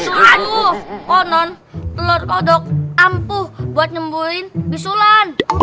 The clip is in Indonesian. aduh konon telur kodok ampuh buat nyembuhin bisulan